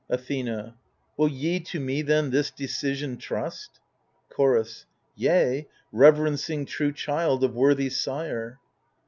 Athena Will ye to me then this decision trust ? Chorus Yea, reverencing true child of worthy sire.